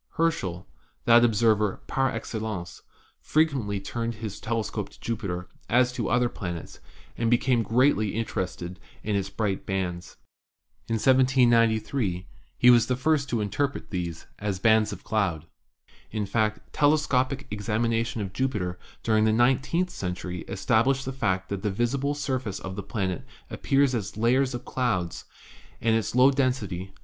Herschel, that observer 'par excellence,' frequently turned his telescope to Jupiter as to other planets, and became greatly interested in its bright bands. In 1793 he was the first to interpret these as bands of clouds. In fact, telescopic examination of Jupiter during the nine teenth century established the fact that the visible surface of the planet appears as layers of clouds, and its low den sity, 1.